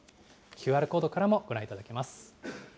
ＱＲコードからもご覧いただけます。